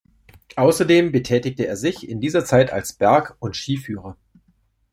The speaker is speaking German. Außerdem betätigte er sich in dieser Zeit als Berg- und Skiführer.